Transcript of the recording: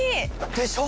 でしょ？